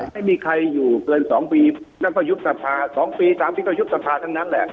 ไม่มีใครอยู่เกินสองปีนั่นต้วยยุคศาสตรา๒ปี๓ปีก็ยุคศาสตราทั้งนั้นไป